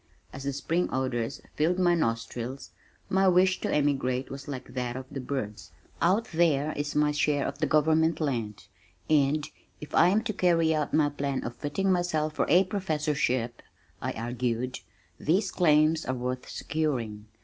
As the spring odors filled my nostrils, my wish to emigrate was like that of the birds. "Out there is my share of the government land and, if I am to carry out my plan of fitting myself for a professorship," I argued "these claims are worth securing.